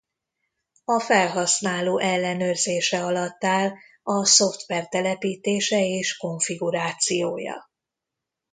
A felhasználó ellenőrzése alatt áll a szoftver telepítése és konfigurációja.